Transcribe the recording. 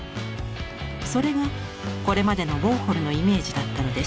それがこれまでのウォーホルのイメージだったのです。